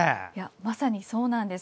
まさにそうなんです。